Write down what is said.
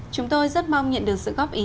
chúng tôi rất mong nhận được sự góp ý